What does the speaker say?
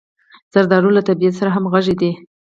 زردالو له طبعیت سره همغږې ده.